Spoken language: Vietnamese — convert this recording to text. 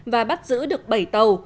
và bắt giữ được bảy tàu